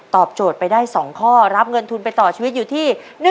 โจทย์ไปได้๒ข้อรับเงินทุนไปต่อชีวิตอยู่ที่